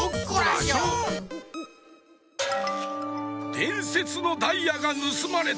でんせつのダイヤがぬすまれた！